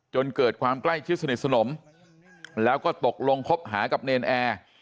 จนเกิดความใกล้ชิดสนิทสนมแล้วก็ตกลงคบหากับเนรนแอร์